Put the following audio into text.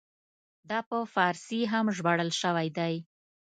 دا په فارسي هم ژباړل شوی دی.